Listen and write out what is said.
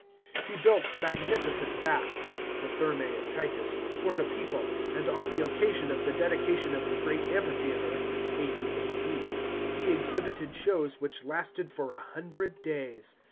He built magnificent baths — the Thermae of Titus — for the people, and on the occasion of the dedication of the great amphitheatre (80 A.D.; he exhibited shows which lasted for a hundred days.